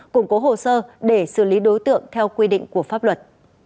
củng cố hồ sơ để xử lý đối tượng theo quy định của pháp luật